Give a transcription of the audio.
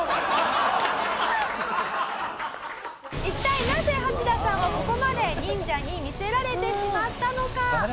一体なぜハチダさんはここまで忍者に魅せられてしまったのか？